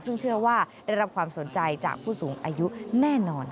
ซึ่งเชื่อว่าได้รับความสนใจจากผู้สูงอายุแน่นอน